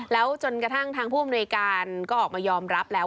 แล้วจนกระทั่งทางผู้อำนวยการก็ออกมายอมรับแล้ว